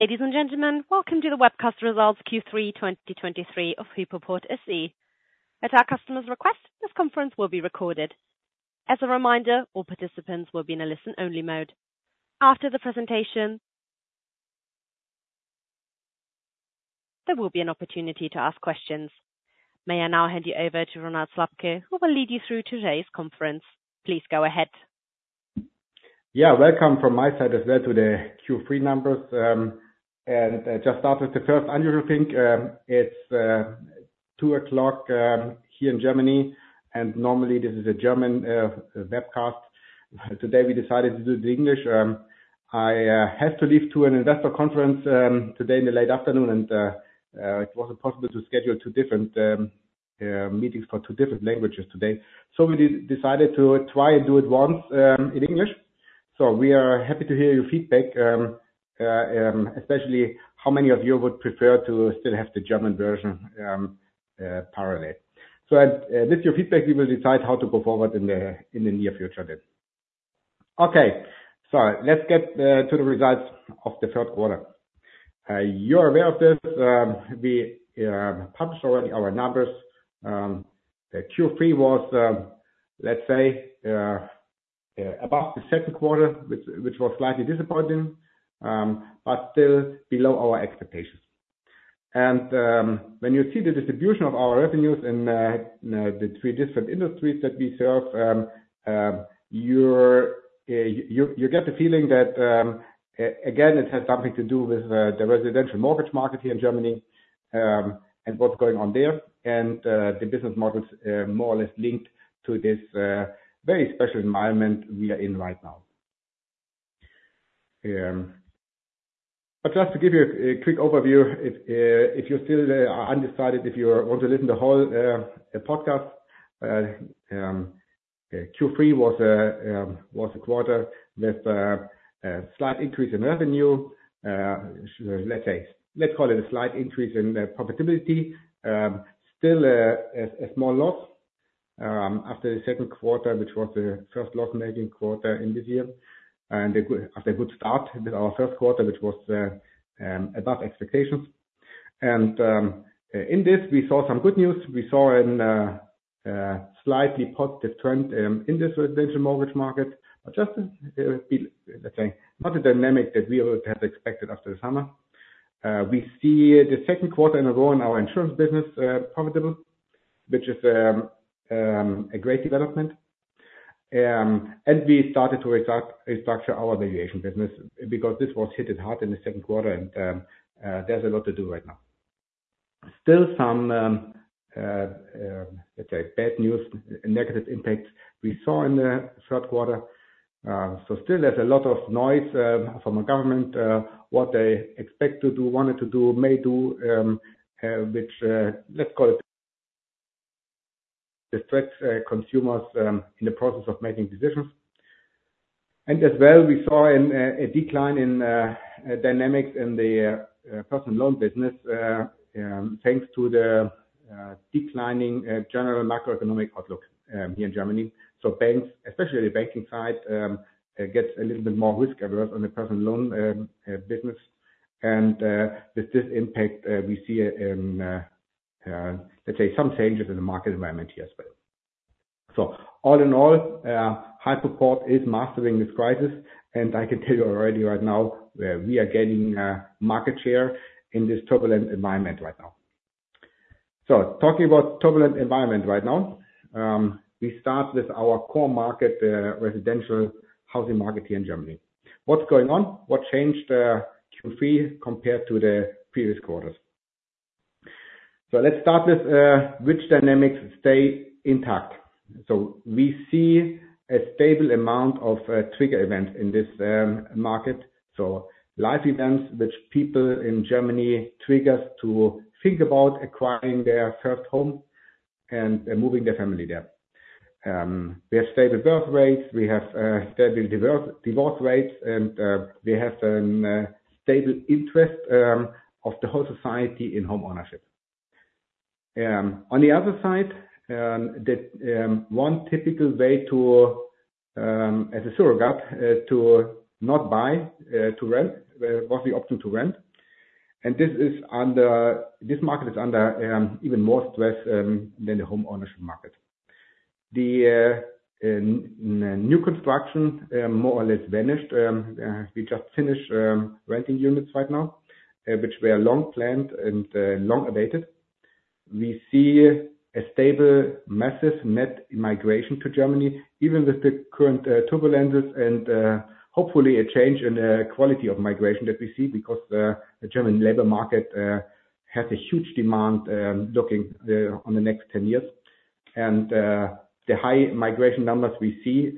Ladies and gentlemen, welcome to the webcast results Q3 2023 of Hypoport SE. At our customer's request, this conference will be recorded. As a reminder, all participants will be in a listen-only mode. After the presentation, there will be an opportunity to ask questions. May I now hand you over to Ronald Slabke, who will lead you through today's conference. Please go ahead. Yeah, welcome from my side as well to the Q3 numbers. And just start with the first annual thing. It's 2:00 P.M. here in Germany, and normally this is a German webcast. Today, we decided to do the English. I have to leave to an investor conference today in the late afternoon, and it wasn't possible to schedule two different meetings for two different languages today. So we decided to try and do it once in English. So we are happy to hear your feedback, especially how many of you would prefer to still have the German version parallel. So, as with your feedback, we will decide how to go forward in the near future then. Okay, so let's get to the results of the third quarter. You're aware of this, we published already our numbers. The Q3 was, let's say, about the second quarter, which was slightly disappointing, but still below our expectations. When you see the distribution of our revenues in the three different industries that we serve, you get the feeling that again, it has something to do with the residential mortgage market here in Germany, and what's going on there. The business models more or less linked to this very special environment we are in right now. But just to give you a quick overview, if you're still undecided, if you want to listen to the whole podcast, Q3 was a quarter with a slight increase in revenue. Let's say, let's call it a slight increase in profitability. Still, a small loss, after the second quarter, which was the first loss-making quarter in this year. And after a good start, our first quarter, which was above expectations. And in this, we saw some good news. We saw a slightly positive trend in this residential mortgage market, but just, let's say, not the dynamic that we would have expected after the summer. We see the second quarter in a row in our insurance business profitable, which is a great development. And we started to restructure our valuation business because this was hit hard in the second quarter, and there's a lot to do right now. Still some, let's say, bad news, negative impacts we saw in the third quarter. So still there's a lot of noise from the government what they expect to do, wanted to do, may do, which, let's call it distracts consumers in the process of making decisions. And as well, we saw a decline in dynamics in the personal loan business, thanks to the declining general macroeconomic outlook here in Germany. So banks, especially the banking side, gets a little bit more risk-averse on the personal loan business. And with this impact, we see, let's say some changes in the market environment here as well. So all in all, Hypoport is mastering this crisis, and I can tell you already right now, we are gaining market share in this turbulent environment right now. So talking about turbulent environment right now, we start with our core market, residential housing market here in Germany. What's going on? What changed Q3 compared to the previous quarters? So let's start with which dynamics stay intact. So we see a stable amount of trigger events in this market. So life events, which people in Germany triggers to think about acquiring their first home and moving their family there. We have stable birth rates, we have stable divorce rates, and we have stable interest of the whole society in homeownership. On the other side, the one typical way to, as a surrogate, to not buy, to rent, was the option to rent. This market is under even more stress than the homeownership market. The new construction more or less vanished. We just finished renting units right now, which were long planned and long awaited. We see a stable, massive net migration to Germany, even with the current turbulences and, hopefully, a change in the quality of migration that we see because the German labor market has a huge demand, looking on the next ten years. The high migration numbers we see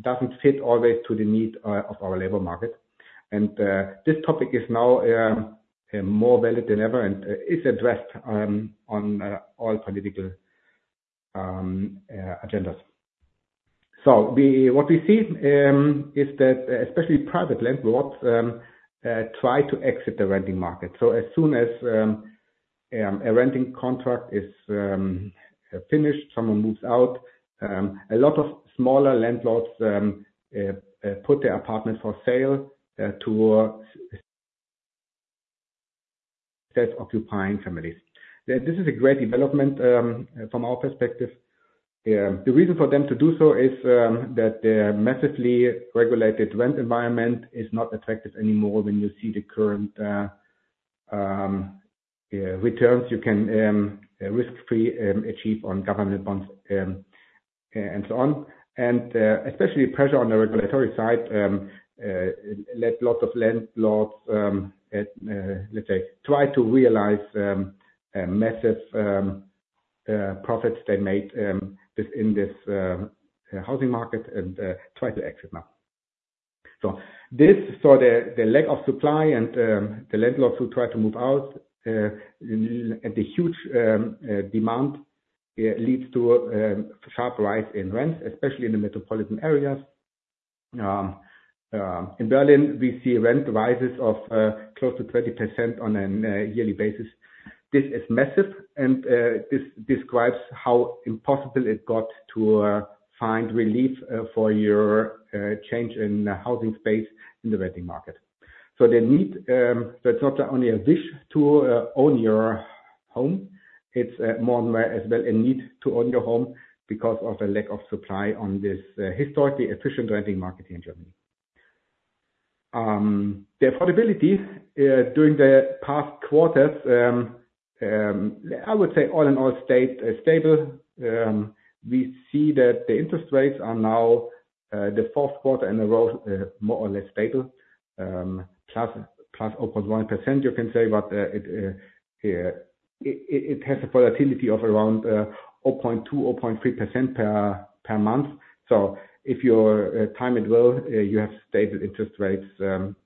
doesn't fit always to the need of our labor market. This topic is now more valid than ever and is addressed on all political agendas. What we see is that especially private landlords try to exit the renting market. As soon as a renting contract is finished, someone moves out. A lot of smaller landlords put their apartment for sale to self-occupying families. This is a great development from our perspective. The reason for them to do so is that the massively regulated rent environment is not attractive anymore when you see the current returns you can risk-free achieve on government bonds and so on. Especially pressure on the regulatory side let lots of landlords, let's say, try to realize a massive profits they made this in this housing market and try to exit now. So the lack of supply and the landlords who try to move out and the huge demand leads to a sharp rise in rents, especially in the metropolitan areas. In Berlin, we see rent rises of close to 20% on a yearly basis. This is massive, and this describes how impossible it got to find relief for your change in housing space in the renting market. So the need, that's not only a wish to own your home, it's more and more as well, a need to own your home because of the lack of supply on this historically efficient renting market here in Germany. The affordability during the past quarters, I would say all in all stayed stable. We see that the interest rates are now the fourth quarter and the growth more or less stable, plus, plus open 1%, you can say, but it has a volatility of around 0.2, 0.3% per month. So if your time is well, you have stable interest rates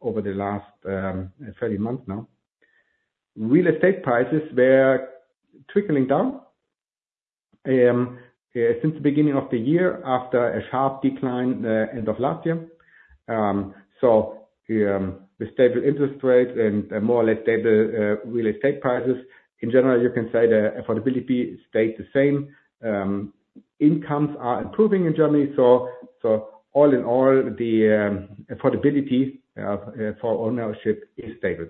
over the last 30 months now. Real estate prices were trickling down since the beginning of the year, after a sharp decline end of last year. The stable interest rate and more or less stable real estate prices, in general, you can say the affordability stayed the same. Incomes are improving in Germany, so all in all, the affordability for ownership is stable.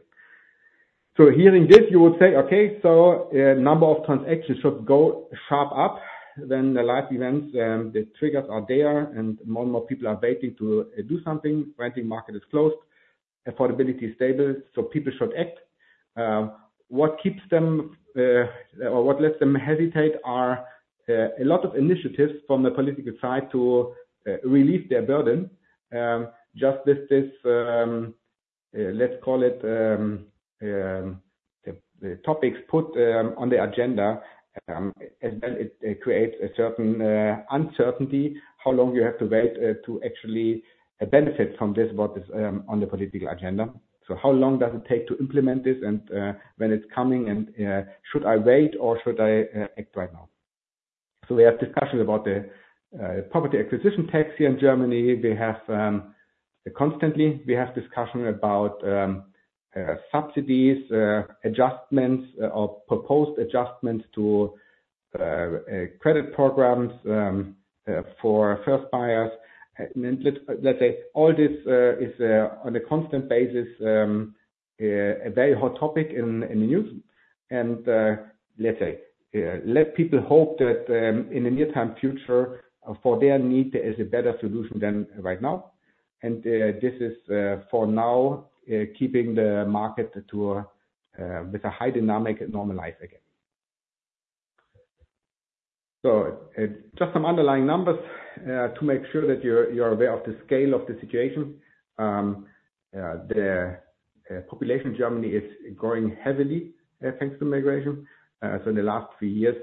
So hearing this, you would say, "Okay, so a number of transactions should go sharp up, then the last events, the triggers are there, and more and more people are waiting to do something. Renting market is closed, affordability is stable, so people should act." What keeps them or what lets them hesitate are a lot of initiatives from the political side to relieve their burden. Just this, let's call it, topics put on the agenda as well. It creates a certain uncertainty how long you have to wait to actually benefit from this, what is on the political agenda. So how long does it take to implement this? And when it's coming, and should I wait or should I act right now? So we have discussion about the property acquisition tax here in Germany. We have constantly discussion about subsidies, adjustments, or proposed adjustments to credit programs for first buyers. Let's say, all this is on a constant basis a very hot topic in the news. Let's say, let people hope that in the near-term future, for their need, there is a better solution than right now. This is, for now, keeping the market to with a high dynamic normalize again. Just some underlying numbers to make sure that you're aware of the scale of the situation. The population in Germany is growing heavily thanks to migration. So in the last few years,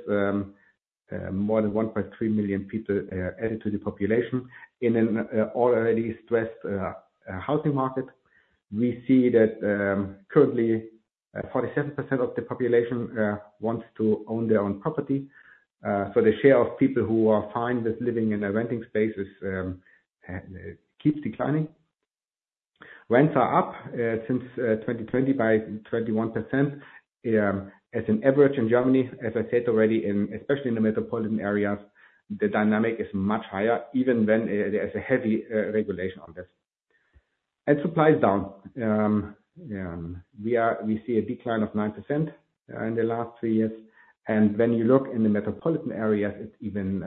more than 1.3 million people added to the population in an already stressed housing market. We see that, currently, 47% of the population wants to own their own property. So the share of people who are fine with living in a renting space is keeps declining. Rents are up since 2020 by 21%, as an average in Germany, as I said already, and especially in the metropolitan areas, the dynamic is much higher, even when there's a heavy regulation on this. And supply is down. We see a decline of 9% in the last 3 years. And when you look in the metropolitan areas, it's even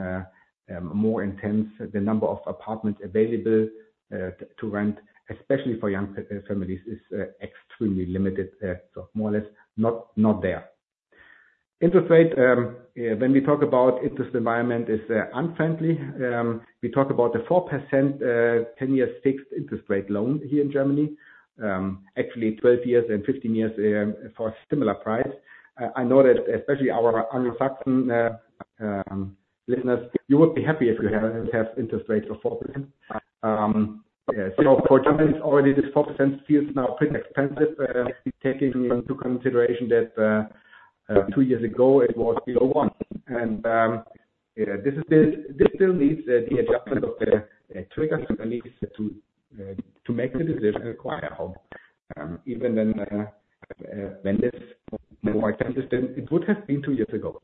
more intense. The number of apartments available to rent, especially for young families, is extremely limited. So more or less not there. Interest rate, when we talk about interest environment, is unfriendly. We talk about the 4%, 10-year fixed interest rate loan here in Germany, actually 12 years and 15 years, for a similar price. I know that especially our Saxon listeners, you would be happy if you have interest rates of 4%. Yeah, so for Germans already, this 4% feels now pretty expensive, taking into consideration that, two years ago it was below 1%. Yeah, this still needs the adjustment of the triggers at least to make the decision to acquire a home, even then, when this more expensive than it would have been two years ago.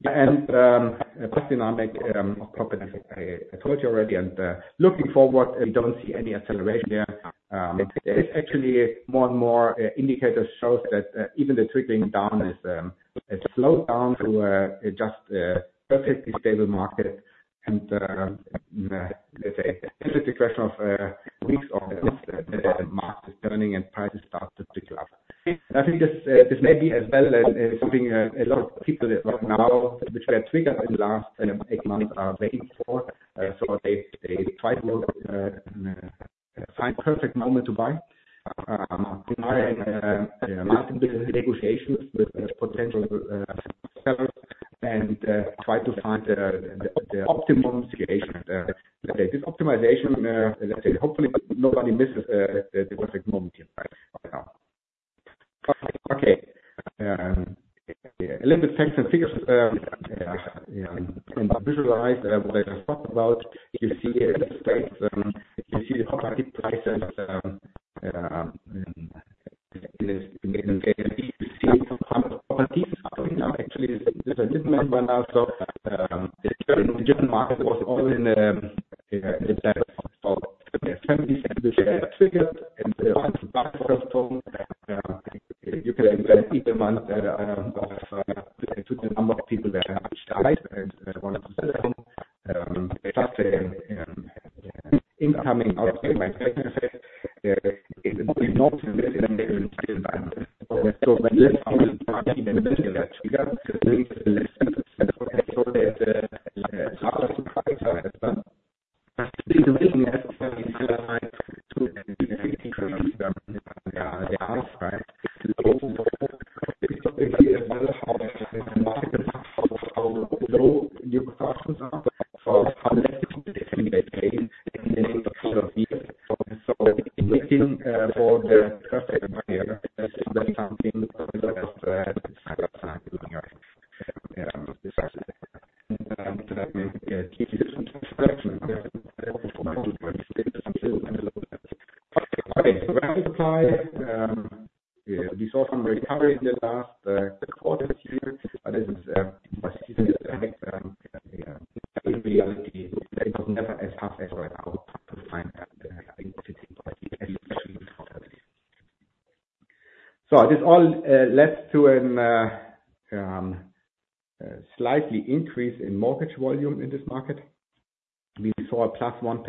Yeah, and, posting on that, I told you already, and, looking forward, we don't see any acceleration there. It's actually more and more indicators shows that, even the trickling down is, it's slowed down to just perfectly stable market. Let's say, this is a question of weeks or months, the market is turning and prices start to pick up. I think this may be as well as something a lot of people right now, which were triggered in the last eight months, are waiting for. So they try to find perfect moment to buy. Negotiations with potential sellers and try to find the optimization. This optimization, let's say hopefully nobody misses, the perfect moment right now. Okay, a little bit facts and figures, yeah, and visualize what I just talked about. You see the real estate, you see the prices, you see properties are actually a little bit by now. So, the German market was all in, about 70% triggered, and you can even month, of, to the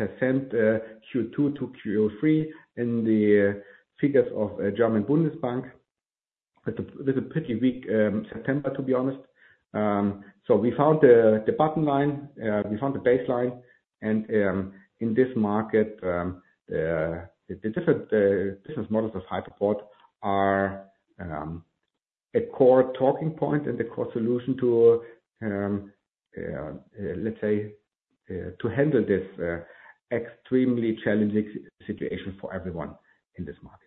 number of people that have reached out and want to sell home. Just, incoming, it's normally normal. So there's a harder to price. The way we have to other two, they are, they are, right? As well, how the market, how low new constructions are for how less they pay in this year. So waiting, for the first time, that's something that, okay. So rent supply, we saw some recovery in the last quarter this year, but this is, yeah, in reality, it was never as fast as when I was to find that. So this all led to a slightly increase in mortgage volume in this market. We saw a +1%, Q2 to Q3 in the figures of German Bundesbank. It's a pretty weak September, to be honest. So we found the bottom line. We found the baseline, and in this market, the different business models of Hypoport are a core talking point and the core solution to, let's say, to handle this extremely challenging situation for everyone in this market.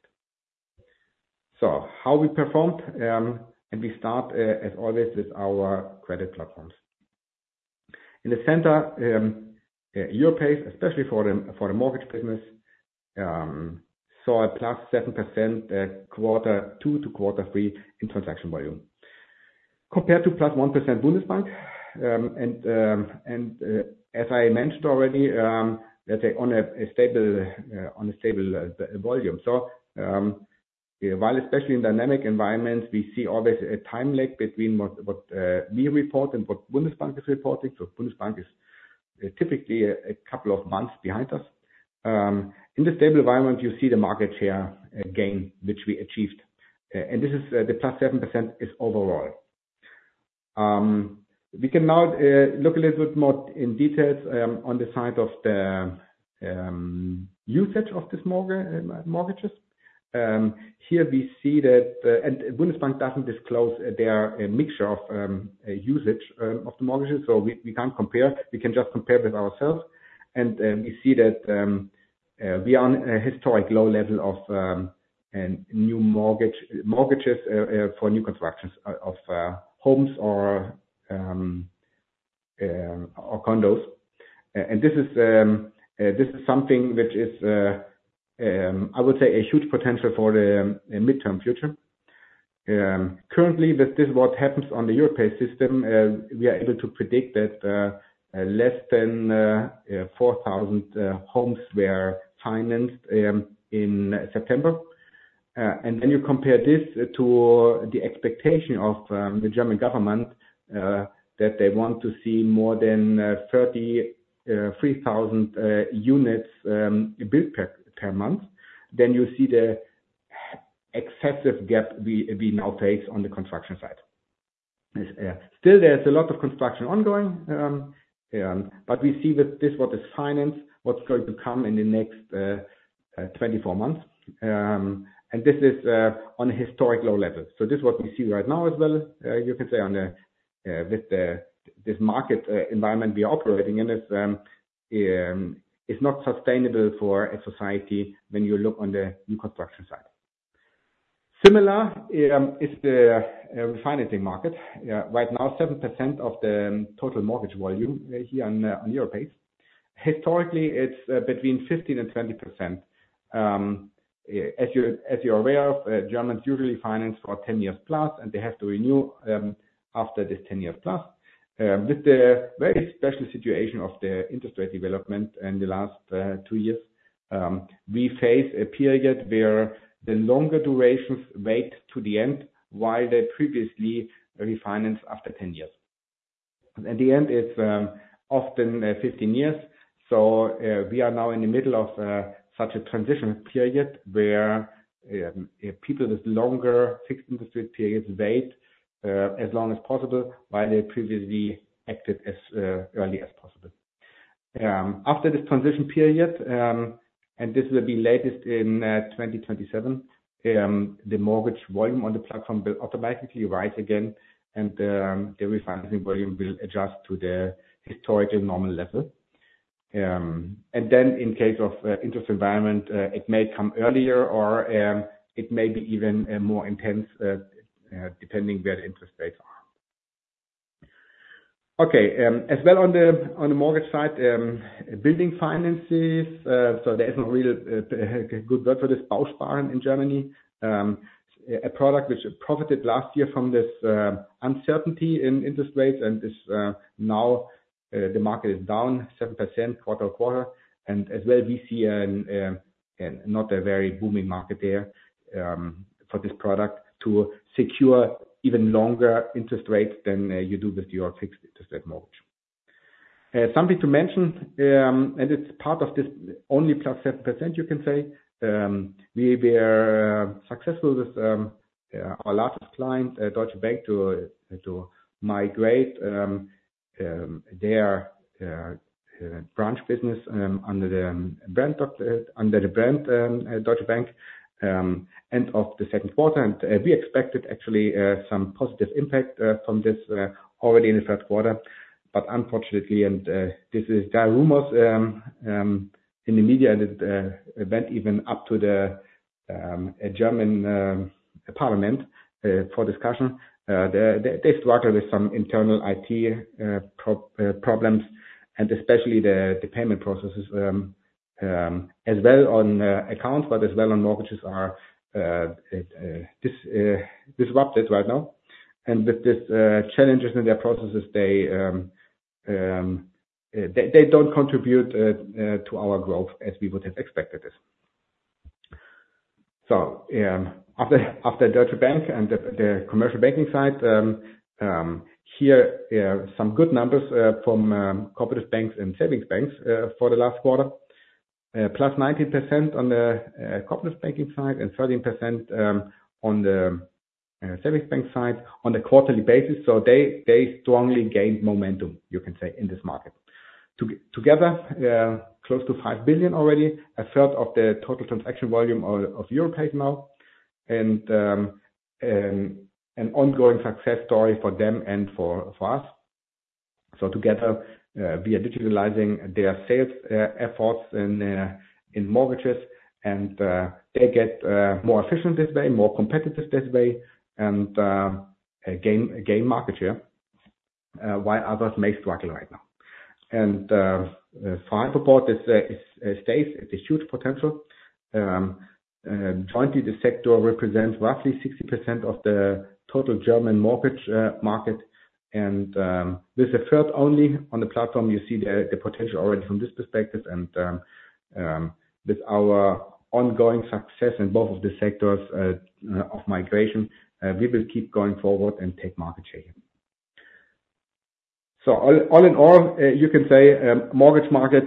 So how we performed? We start, as always, with our Credit Platforms. In the center, Europace, especially for the mortgage business, saw a +7% quarter two to quarter three in transaction volume. Compared to +1% Bundesbank. As I mentioned already, let's say on a stable volume. So, while especially in dynamic environments, we see always a time lag between what we report and what Bundesbank is reporting. So Bundesbank is typically a couple of months behind us. In the stable environment, you see the market share gain, which we achieved. And this is the plus 7% overall. We can now look a little bit more in details on the side of the usage of this mortgages. Here we see that, and Bundesbank doesn't disclose their mixture of usage of the mortgages, so we can't compare. We can just compare with ourselves. We see that we are on a historic low level of new mortgages for new constructions of homes or condos. This is something which is, I would say, a huge potential for the midterm future. Currently, this is what happens on the Europace system. We are able to predict that less than 4,000 homes were financed in September. And when you compare this to the expectation of the German government that they want to see more than 33,000 units built per month, then you see the excessive gap we now face on the construction side. Still, there's a lot of construction ongoing, but we see that this, what is financed, what's going to come in the next 24 months. And this is on a historic low levels. So this is what we see right now as well. You can say with this market environment we are operating in is not sustainable for a society when you look on the new construction side... Similar is the refinancing market. Right now, 7% of the total mortgage volume here on Europace. Historically, it's between 15% and 20%. As you're aware of, Germans usually finance for 10 years plus, and they have to renew after this 10 years plus. With the very special situation of the interest rate development in the last 2 years, we face a period where the longer durations wait to the end, while they previously refinance after 10 years. At the end, it's often 15 years. So, we are now in the middle of such a transition period where people with longer fixed interest rate periods wait as long as possible, while they previously acted as early as possible. After this transition period, and this will be latest in 2027, the mortgage volume on the platform will automatically rise again, and the refinancing volume will adjust to the historically normal level. And then in case of interest environment, it may come earlier or, it may be even more intense, depending where the interest rates are. Okay, as well on the mortgage side, building finances. So there isn't a real good word for this in Germany. A product which profited last year from this uncertainty in interest rates, and this now the market is down 7% quarter-over-quarter. And as well, we see a not very booming market there, for this product to secure even longer interest rates than you do with your fixed interest rate mortgage. Something to mention, and it's part of this only plus 7%, you can say. We were successful with our largest client, Deutsche Bank, to migrate their branch business under the brand Deutsche Bank end of the second quarter. And we expected actually some positive impact from this already in the third quarter. But unfortunately, and this is, there are rumors in the media that went even up to a German Parliament for discussion. They started with some internal IT problems, and especially the payment processes as well on accounts, but as well on mortgages are disrupted right now. And with this, challenges in their processes, they, they don't contribute to our growth as we would have expected this. So, after Deutsche Bank and the commercial banking side, here, some good numbers from cooperative banks and savings banks for the last quarter. +19% on the cooperative banking side and 13% on the savings bank side on a quarterly basis. So they, they strongly gained momentum, you can say, in this market. Together, close to 5 billion already, a third of the total transaction volume of Europace now. And, an ongoing success story for them and for us. So together, we are digitizing their sales efforts in mortgages, and they get more efficient this way, more competitive this way, and gain market share while others may struggle right now. And final report is safe. It's a huge potential. Jointly, the sector represents roughly 60% of the total German mortgage market. And with the third only on the platform, you see the potential already from this perspective. And with our ongoing success in both of the sectors of migration, we will keep going forward and take market share. So all in all, you can say, mortgage market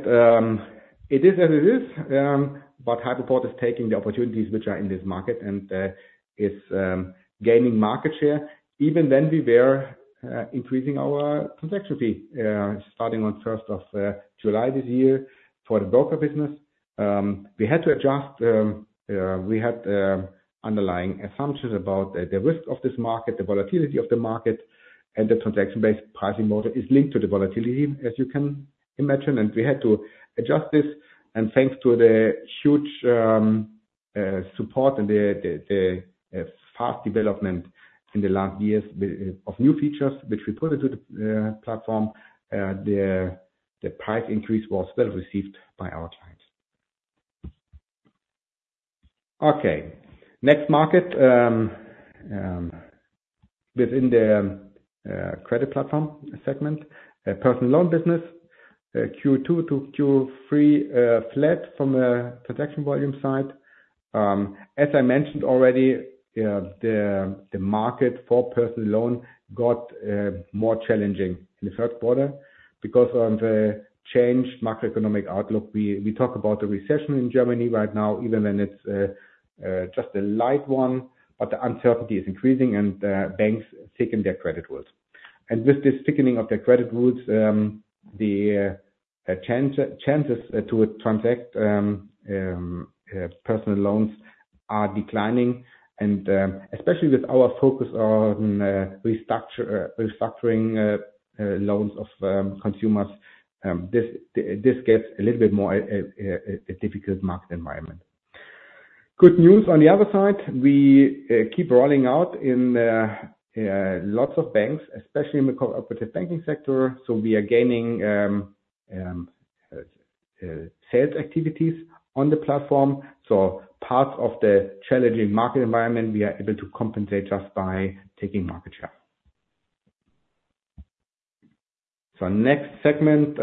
it is as it is. But Hypoport is taking the opportunities which are in this market, and is gaining market share. Even then we were increasing our transaction fee starting on first of July this year for the broker business. We had to adjust underlying assumptions about the risk of this market, the volatility of the market, and the transaction-based pricing model is linked to the volatility, as you can imagine. And we had to adjust this, and thanks to the huge support and the fast development in the last years of new features which we put into the platform, the price increase was well received by our clients. Okay, next market. Within the Credit Platform segment, personal loan business, Q2-Q3 flat from a transaction volume side. As I mentioned already, the market for personal loan got more challenging in the first quarter because of the changed macroeconomic outlook. We talk about the recession in Germany right now, even when it's just a light one, but the uncertainty is increasing and the banks thicken their credit rules. With this thickening of their credit rules, the chances to transact personal loans are declining. Especially with our focus on restructuring loans of consumers, this gets a little bit more a difficult market environment. Good news on the other side, we keep rolling out in lots of banks, especially in the cooperative banking sector. So we are gaining sales activities on the platform. So parts of the challenging market environment, we are able to compensate just by taking market share. So next segment,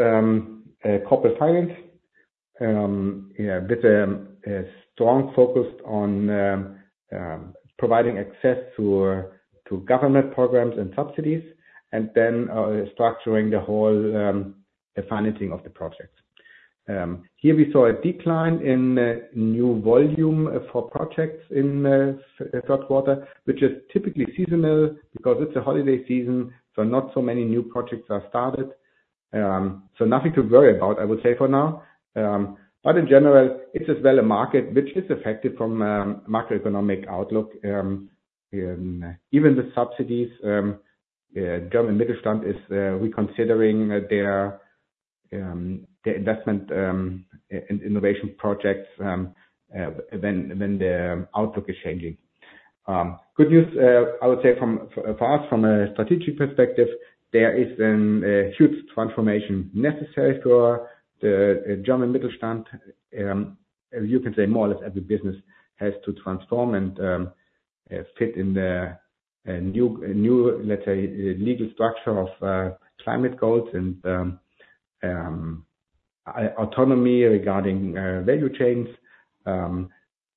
Corporate Finance. Yeah, with a strong focus on providing access to government programs and subsidies, and then structuring the whole financing of the projects. Here we saw a decline in new volume for projects in third quarter, which is typically seasonal because it's a holiday season, so not so many new projects are started. So nothing to worry about, I would say for now. But in general, it's as well a market which is affected from macroeconomic outlook. Even the subsidies, German Mittelstand is reconsidering their investment in innovation projects when the outlook is changing. Good news, I would say, for us, from a strategic perspective, there is a huge transformation necessary for the German Mittelstand. You can say more or less, every business has to transform and fit into a new, let's say, legal structure of climate goals and autonomy regarding value chains,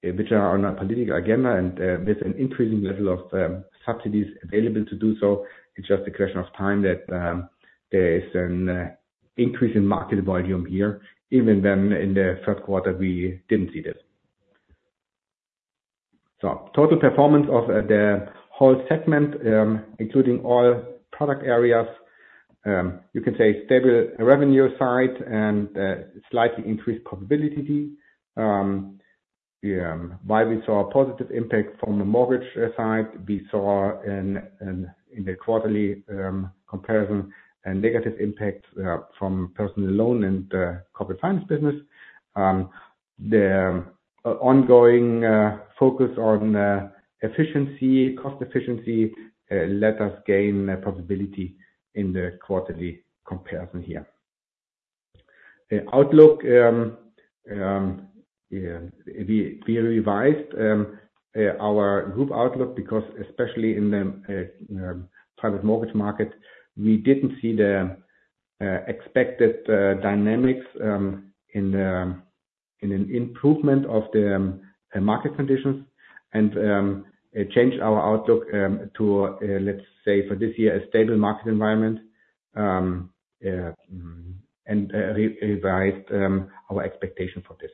which are on our political agenda, and with an increasing level of subsidies available to do so. It's just a question of time that there is an increase in market volume here, even when in the third quarter we didn't see this. So total performance of the whole segment, including all product areas, you can say stable revenue side and, slightly increased profitability. While we saw a positive impact from the mortgage side, we saw in the quarterly comparison, a negative impact, from personal loan and, Corporate Finance business. The ongoing, focus on, efficiency, cost efficiency, let us gain profitability in the quarterly comparison here. The outlook, yeah, we revised, our group outlook, because especially in the, private mortgage market, we didn't see the, expected, dynamics, in an improvement of the, market conditions. And, it changed our outlook, to, let's say, for this year, a stable market environment, and, revised, our expectation for this.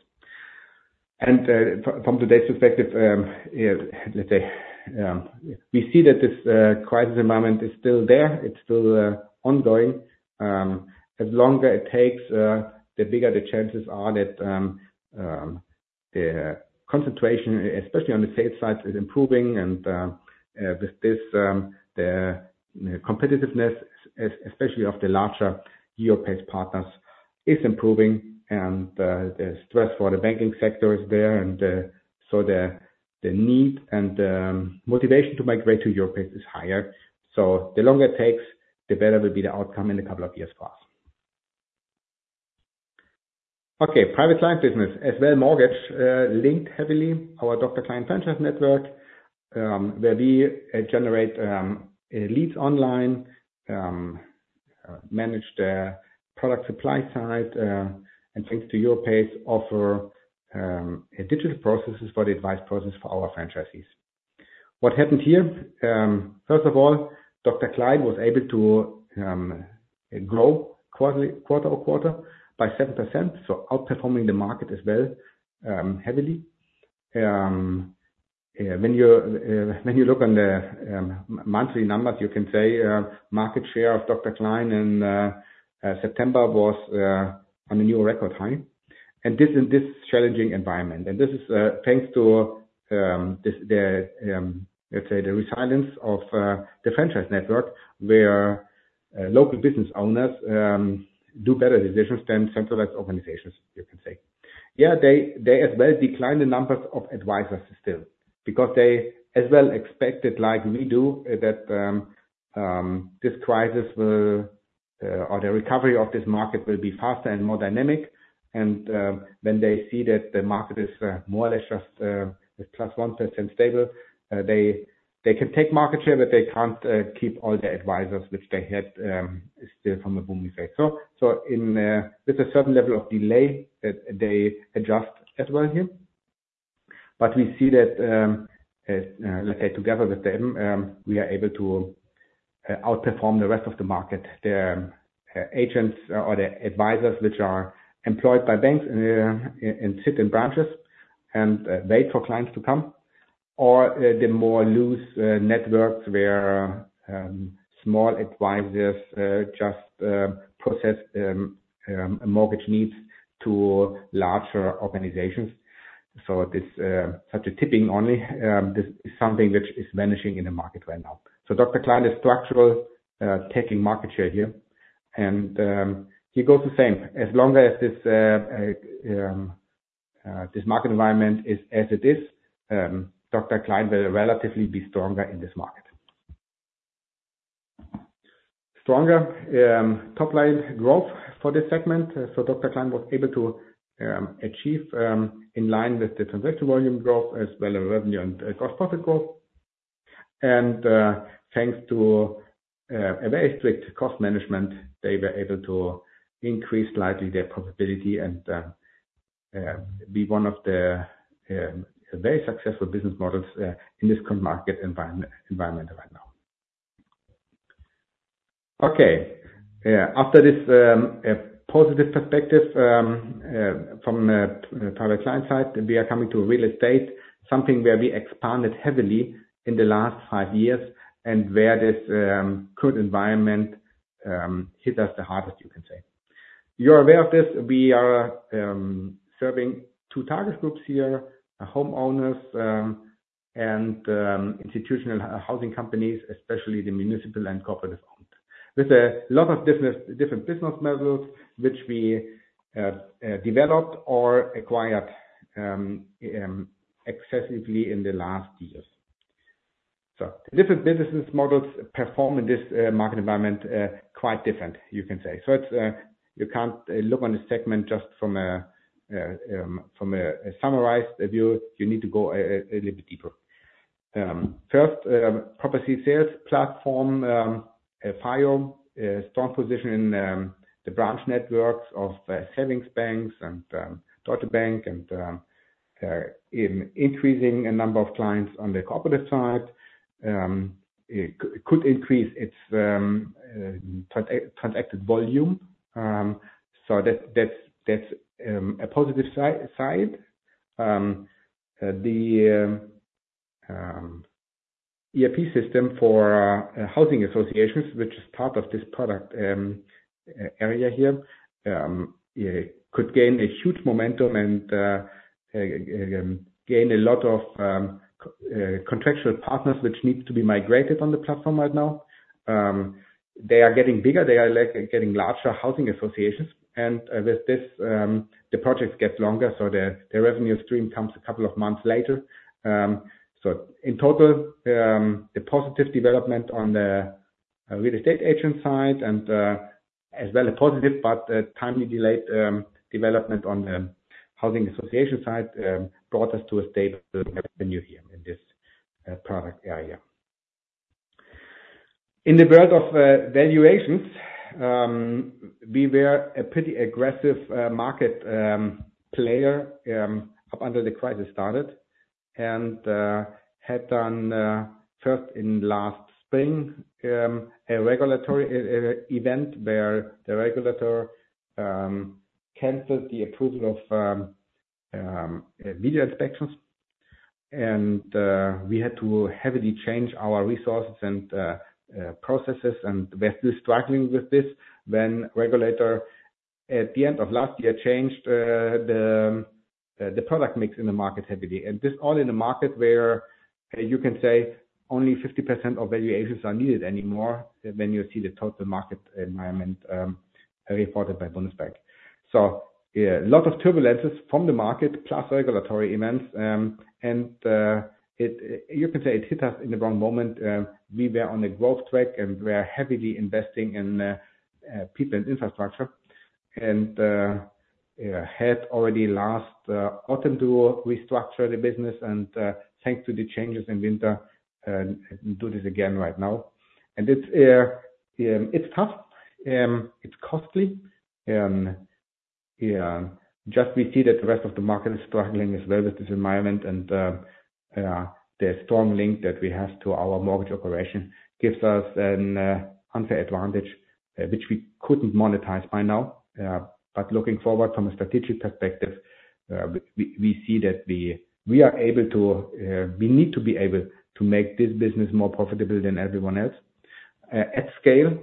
From today's perspective, yeah, let's say, we see that this crisis environment is still there. It's still ongoing. The longer it takes, the bigger the chances are that the concentration, especially on the sales side, is improving. And with this, the competitiveness, especially of the larger Europace partners, is improving, and the stress for the banking sector is there. And so the need and motivation to migrate to Europace is higher. So the longer it takes, the better will be the outcome in a couple of years for us. Okay, private client business, as well, mortgage linked heavily our Dr. Klein. Klein franchise network, where we generate leads online, manage the product supply side, and thanks to Europace, offer digital processes for the advice process for our franchisees. What happened here? First of all, Dr. Klein was able to grow quarterly, quarter-over-quarter by 7%, so outperforming the market as well, heavily. When you look on the monthly numbers, you can say, market share of Dr. Klein in September was on a new record high. And this, in this challenging environment. And this is thanks to this, the let's say, the resilience of the franchise network, where local business owners do better decisions than centralized organizations, you can say. Yeah, they as well declined the numbers of advisors still, because they as well expected, like we do, that this crisis will, or the recovery of this market will be faster and more dynamic. And, when they see that the market is, more or less just, +1% stable, they can take market share, but they can't keep all the advisors which they had, still from the boom effect. So, in, with a certain level of delay, they adjust as well here. But we see that, let's say together with them, we are able to outperform the rest of the market. The agents or the advisors, which are employed by banks and sit in branches and wait for clients to come, or the more loose networks where small advisors just mortgage needs to larger organizations. So this such a tipping only this is something which is vanishing in the market right now. So Dr. Klein is structural taking market share here, and he goes the same. As long as this this market environment is as it is, Dr. Klein will relatively be stronger in this market. Stronger top line growth for this segment. So Private Client was able to achieve in line with the transaction volume growth as well as revenue and cost profit growth. Thanks to a very strict cost management, they were able to increase slightly their profitability and be one of the very successful business models in this current market environment right now. Okay, after this positive perspective from Private Client side, we are coming to real estate, something where we expanded heavily in the last five years, and where this current environment hit us the hardest, you can say. You're aware of this. We are serving two target groups here: homeowners and institutional housing companies, especially the municipal and corporate owned. With a lot of different business models, which we developed or acquired excessively in the last years. So different business models perform in this market environment quite different, you can say. So it's, you can't look on the segment just from a summarized view. You need to go a little bit deeper. First, Property Sales Platform has a strong position in the branch networks of the savings banks and Deutsche Bank and in increasing a number of clients on the corporate side. It could increase its transacted volume. So that's a positive side. The ERP system for housing associations, which is part of this product area here, could gain a huge momentum and gain a lot of contractual partners, which needs to be migrated on the platform right now. They are getting bigger. They are like getting larger housing associations, and with this, the projects get longer, so the revenue stream comes a couple of months later. So in total, a positive development on the real estate agent side and, as well a positive, but a timely delayed, development on the housing association side, brought us to a state of the revenue here in this product area. In the world of valuations, we were a pretty aggressive market player up until the crisis started. And had done first in last spring a regulatory event where the regulator canceled the approval of media inspections. And we had to heavily change our resources and processes, and we're still struggling with this. When regulator at the end of last year changed, the product mix in the market heavily, and this all in a market where you can say only 50% of valuations are needed anymore when you see the total market environment, reported by Bundesbank. So, yeah, a lot of turbulences from the market, plus regulatory events, and it hit us in the wrong moment. We were on a growth track, and we are heavily investing in people and infrastructure, and had already last autumn to restructure the business and, thanks to the changes in winter, do this again right now. And it's tough, it's costly. Yeah, just we see that the rest of the market is struggling as well with this environment, and the strong link that we have to our mortgage operation gives us an unfair advantage, which we couldn't monetize by now. But looking forward from a strategic perspective, we need to be able to make this business more profitable than everyone else at scale.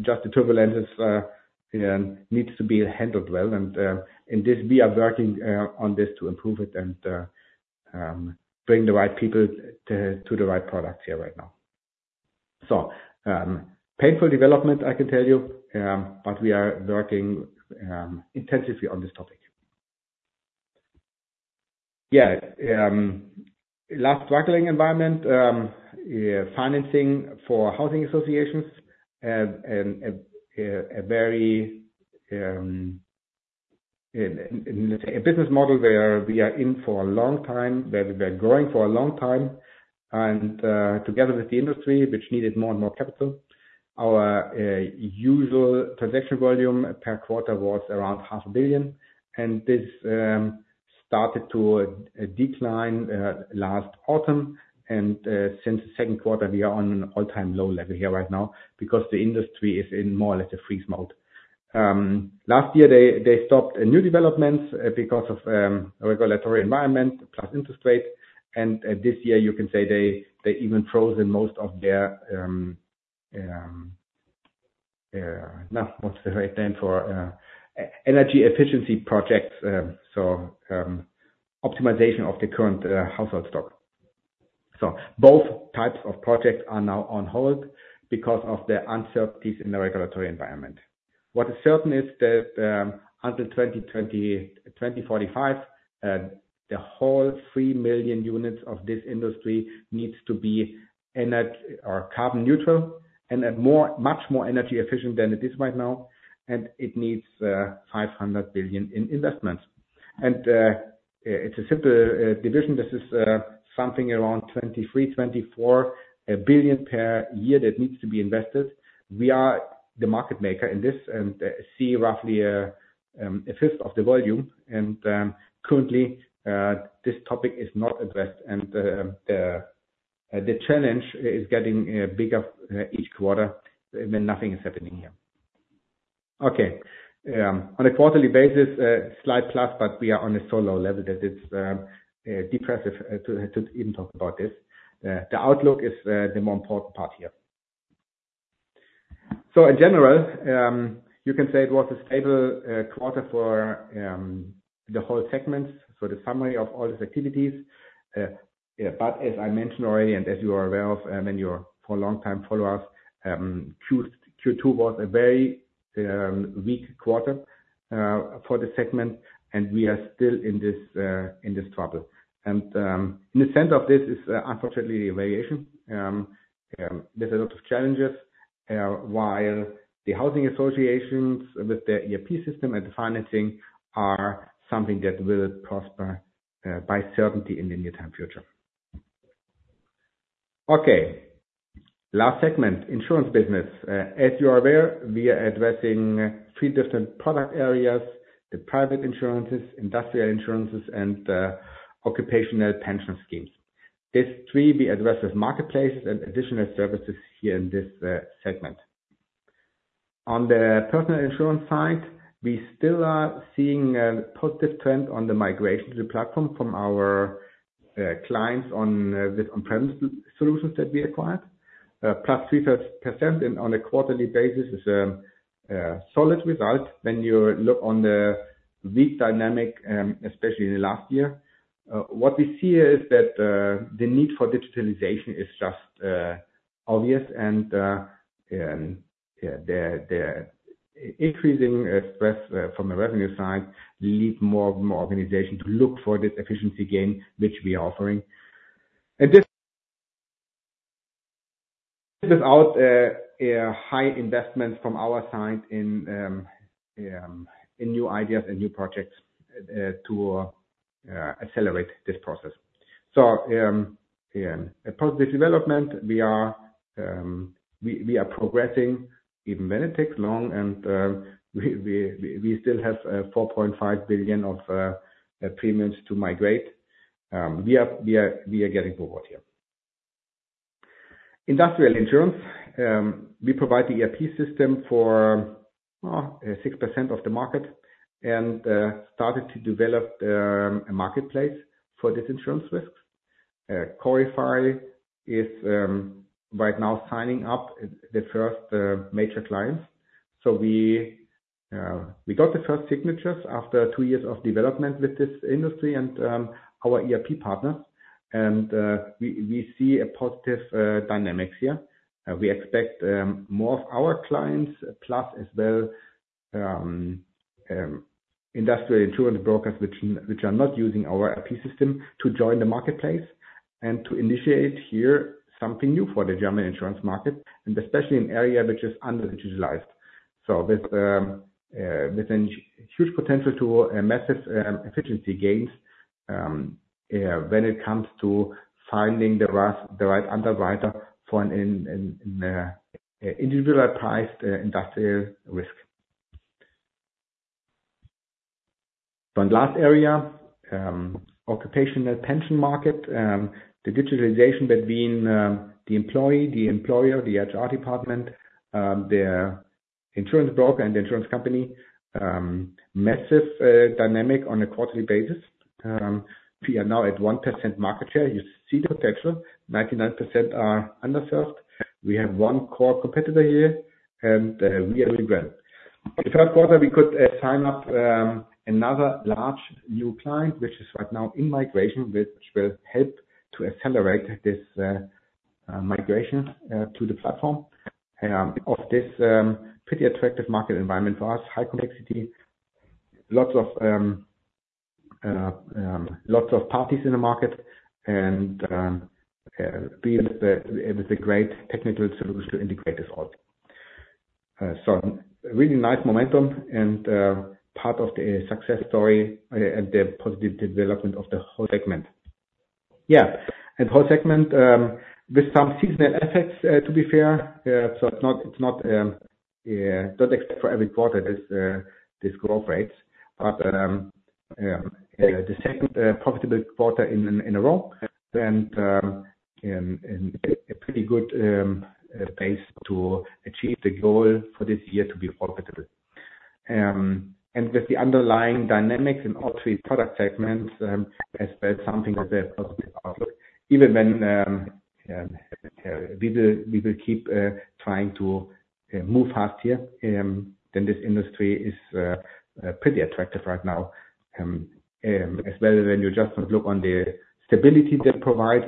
Just the turbulences needs to be handled well. And this, we are working on this to improve it and bring the right people to the right products here right now. So, painful development, I can tell you, but we are working intensively on this topic. Yeah, last struggling environment, financing for housing associations, and a very business model where we are in for a long time, that we are growing for a long time. Together with the industry, which needed more and more capital, our usual transaction volume per quarter was around 500 million. And this started to decline last autumn. Since the second quarter, we are on an all-time low level here right now because the industry is in more or less a freeze mode. Last year, they stopped new developments because of a regulatory environment, plus interest rates. This year, you can say they even frozen most of their what's the right name for energy efficiency projects. Optimization of the current household stock. Both types of projects are now on hold because of the uncertainties in the regulatory environment. What is certain is that under 2020, 2045 the whole three million units of this industry needs to be energy- or carbon neutral, and much more energy efficient than it is right now, and it needs 500 billion in investments. It's a simple division. This is something around 23 billion-24 billion per year that needs to be invested. We are the market maker in this, and see roughly a fifth of the volume, and currently this topic is not addressed, and the challenge is getting bigger each quarter, and then nothing is happening here. Okay, on a quarterly basis, slight plus, but we are on a so low level that it's depressive to even talk about this. The outlook is the more important part here. So in general, you can say it was a stable quarter for the whole segments, so the summary of all these activities. But as I mentioned already, and as you are aware of, and then you're for a long time followers, Q2 was a very weak quarter for the segment, and we are still in this trouble. And in the sense of this is unfortunately a variation. There's a lot of challenges while the housing associations with the ERP system and the financing are something that will prosper by certainty in the near time future. Okay, last segment, insurance business. As you are aware, we are addressing three different product areas, the private insurances, industrial insurances, and occupational pension schemes. These three, we address as marketplaces and additional services here in this segment. On the personal insurance side, we still are seeing positive trend on the migration to the platform from our clients on with on-premise solutions that we acquired. Plus 3% and on a quarterly basis is a solid result when you look on the weak dynamic, especially in the last year. What we see is that the need for digitalization is just obvious and the increasing stress from the revenue side lead more and more organizations to look for this efficiency gain, which we are offering. This, without a high investment from our side in new ideas and new projects to accelerate this process. So, yeah, a positive development. We are progressing, even when it takes long, and we still have 4.5 billion of payments to migrate. We are getting forward here. Industrial insurance, we provide the ERP system for 6% of the market and started to develop a marketplace for this insurance risks. Corify is right now signing up the first major clients. So we got the first signatures after two years of development with this industry and our ERP partner. And we see a positive dynamics here. We expect more of our clients, plus as well, industrial insurance brokers, which are not using our ERP system, to join the marketplace and to initiate here something new for the German insurance market, and especially in area which is under-digitalized. So there's a huge potential to massive efficiency gains when it comes to finding the right underwriter for an individualized industrial risk. So last area, occupational pension market, the digitalization between the employee, the employer, the HR department, the insurance broker and the insurance company, massive dynamic on a quarterly basis. We are now at 1% market share. You see the potential, 99% are underserved. We have one core competitor here, and we are really growing. In the third quarter, we could sign up another large new client, which is right now in migration, which will help to accelerate this migration to the platform. Of this pretty attractive market environment for us, high complexity, lots of parties in the market, and we have, with a great technical solution to integrate this all. So really nice momentum and part of the success story and the positive development of the whole segment. Yeah, and whole segment with some seasonal effects, to be fair. So it's not, don't expect for every quarter this growth rate, but the second profitable quarter in a row, and a pretty good base to achieve the goal for this year to be profitable. And with the underlying dynamics in all three product segments, as well, something that positive outlook, even when we will keep trying to move fast here, then this industry is pretty attractive right now. As well as when you just look on the stability they provide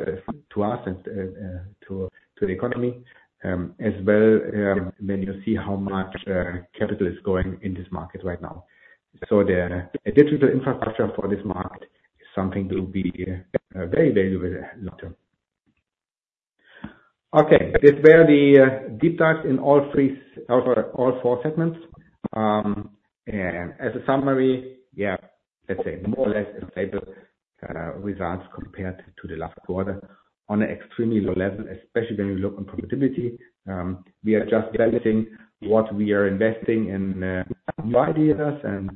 to us and to the economy, as well, when you see how much capital is going in this market right now. So the digital infrastructure for this market-... Something will be very, very long term. Okay, this where the deep dive in all three, all four segments. As a summary, yeah, let's say more or less stable results compared to the last quarter on an extremely low level, especially when you look on profitability. We are just balancing what we are investing in new ideas and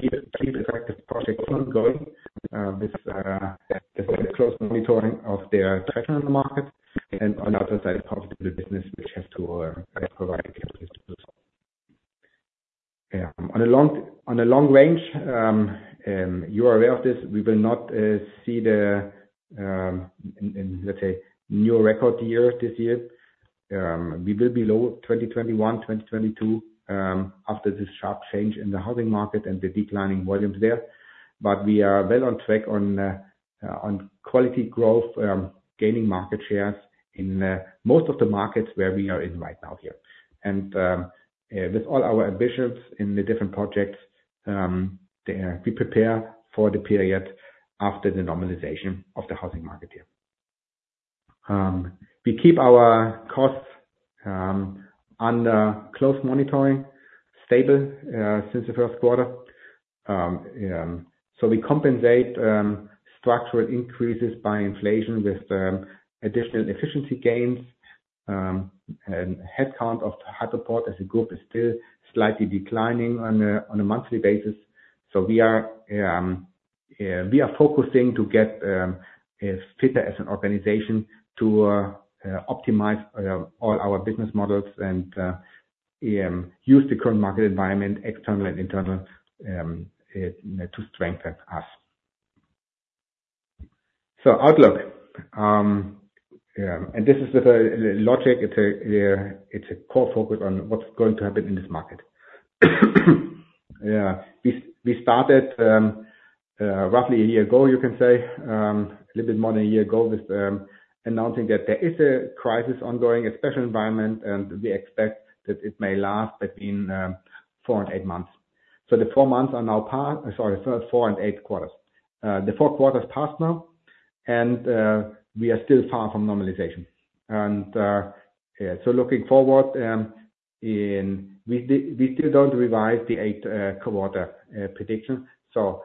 keep the practice project ongoing with close monitoring of the traditional market, and on the other side, possibly the business which has to provide. Yeah, on the long, on the long range, you are aware of this, we will not see the, let's say, new record year this year. We will be low 2021, 2022 after this sharp change in the housing market and the declining volumes there. But we are well on track on quality growth, gaining market shares in most of the markets where we are in right now here. With all our ambitions in the different projects, we prepare for the period after the normalization of the housing market here. We keep our costs under close monitoring, stable since the first quarter. We compensate structural increases by inflation with additional efficiency gains. And headcount of the Hypoport Group is still slightly declining on a monthly basis. So we are focusing to get as fitter as an organization to optimize all our business models and use the current market environment, external and internal, to strengthen us. So, outlook, yeah, and this is the logic. It's a core focus on what's going to happen in this market. Yeah, we started roughly a year ago, you can say, a little bit more than a year ago, with announcing that there is a crisis ongoing, a special environment, and we expect that it may last between 4 and 8 months. So the 4 months are now passed. Sorry, 4 and 8 quarters. The 4 quarters passed now, and we are still far from normalization. And yeah, so looking forward, we still don't revise the 8 quarter prediction. So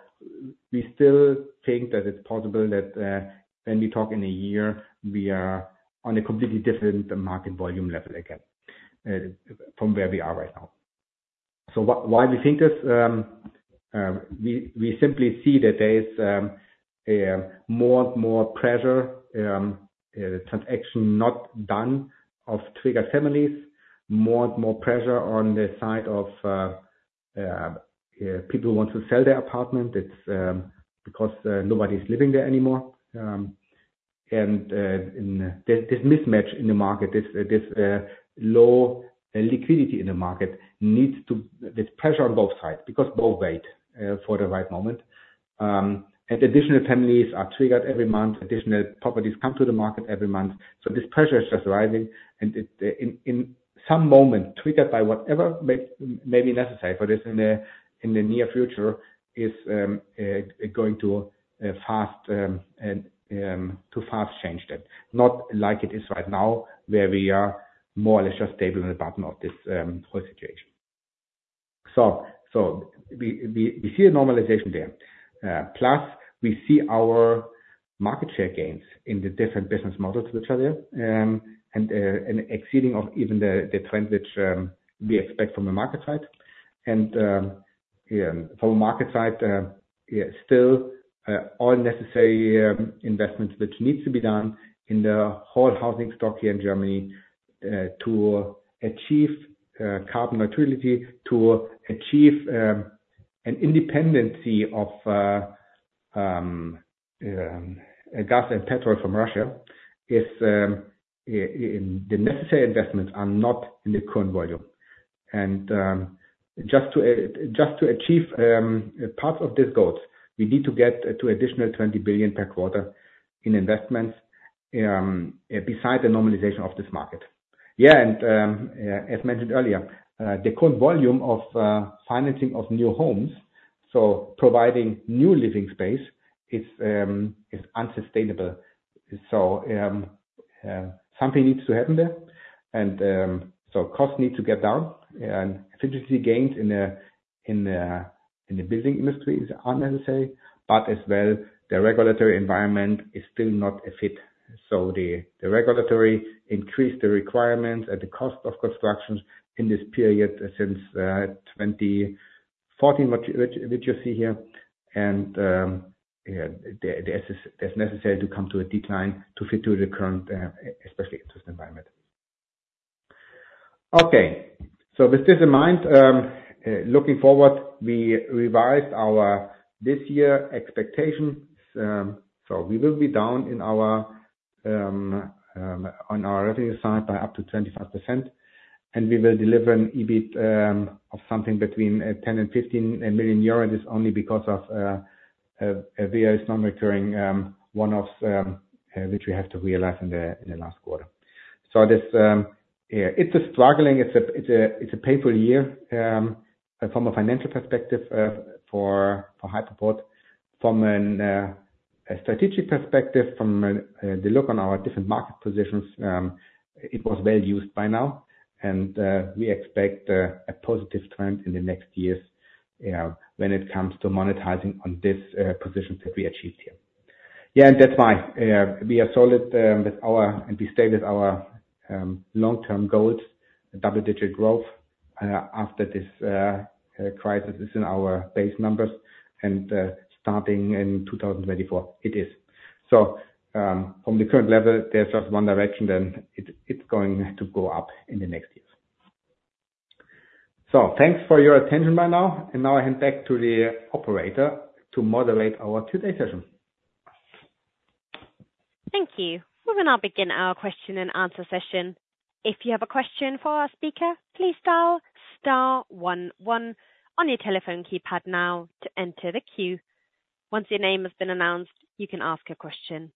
we still think that it's possible that when we talk in a year, we are on a completely different market volume level again from where we are right now. So why, why we think this? We simply see that there is more pressure, transaction not done of trigger families, more pressure on the side of people who want to sell their apartment. It's because nobody's living there anymore. And there's this mismatch in the market. This low liquidity in the market needs to—There's pressure on both sides, because both wait for the right moment. And additional families are triggered every month. Additional properties come to the market every month. So this pressure is just rising, and it, in some moment, triggered by whatever may be necessary for this in the near future, is going to fast and to fast change that. Not like it is right now, where we are more or less just stable in the bottom of this whole situation. So we see a normalization there. Plus, we see our market share gains in the different business models to each other, and exceeding of even the trend which we expect from the market side. And from the market side, still all necessary investments which needs to be done in the whole housing stock here in Germany to achieve carbon neutrality, to achieve an independency of gas and petrol from Russia is in-- The necessary investments are not in the current volume. And just to achieve part of these goals, we need to get to additional 20 billion per quarter in investments, besides the normalization of this market. Yeah, and as mentioned earlier, the current volume of financing of new homes, so providing new living space, is unsustainable. So something needs to happen there. And so costs need to get down, and efficiency gains in the building industry is unnecessary, but as well, the regulatory environment is still not a fit. So the regulatory increase the requirement at the cost of constructions in this period since 2014, which you see here. And yeah, the as necessary to come to a decline, to fit to the current especially interest environment. Okay, so with this in mind, looking forward, we revised our this year expectations. So we will be down in our, on our revenue side by up to 25%, and we will deliver an EBIT of something between 10 million and 15 million euros. This is only because of Value's non-recurring one-offs, which we have to realize in the, in the last quarter. So this- Yeah, it's a struggling, it's a, it's a, it's a painful year, from a financial perspective, for Hypoport. From a strategic perspective, from the look on our different market positions, it was well used by now, and we expect a positive trend in the next years, you know, when it comes to monetizing on this positions that we achieved here. Yeah, and that's why we are solid with our and we stay with our long-term goals, double-digit growth after this crisis is in our base numbers and starting in 2024, it is. So from the current level, there's just one direction, then it it's going to go up in the next years. So thanks for your attention by now, and now I hand back to the operator to moderate our Q&A session. Thank you. We will now begin our question and answer session. If you have a question for our speaker, please dial star one one on your telephone keypad now to enter the queue. Once your name has been announced, you can ask a question.